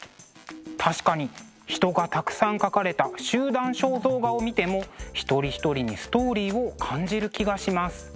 確かに人がたくさん描かれた集団肖像画を見ても一人一人にストーリーを感じる気がします。